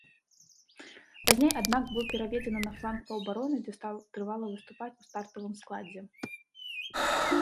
Пазней, аднак, быў пераведзены на фланг паўабароны, дзе стаў трывала выступаць у стартавым складзе.